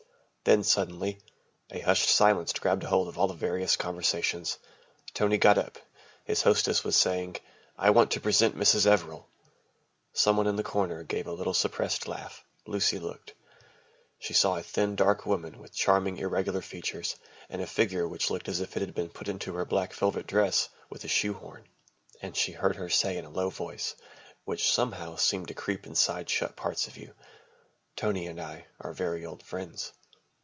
Then, suddenly, a hushed silence grabbed hold of all the various conversations. Tony got up. His hostess was saying, "I want to present Mrs. Everill." Some one in a corner gave a little suppressed laugh, Lucy looked. She saw a thin, dark woman with charming irregular features and a figure which looked as if it had been put into her black velvet dress with a shoehorn, and she heard her say in a low voice which somehow seemed to creep inside shut parts of you, "Tony and I are very old friends."